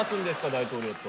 大統領と。